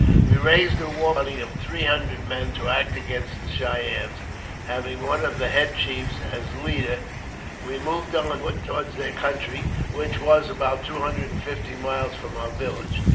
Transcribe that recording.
We raised a war party of three hundred men to act again the Cheyennes, having one of the head chiefs as leader. We j moved on foot toward their country, which was about two hundred and fifty miles from our village.